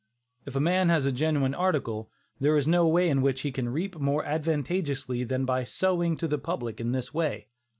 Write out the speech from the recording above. If a man has a genuine article, there is no way in which he can reap more advantageously than by "sowing" to the public in this way.